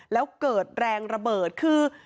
แล้วเกิดแรงระเบิดคือ